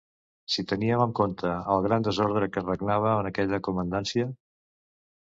Si teníem en compte el gran desordre que regnava en aquella Comandància...